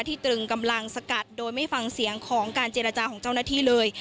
ตรึงกำลังสกัดโดยไม่ฟังเสียงของการเจรจาของเจ้าหน้าที่เลย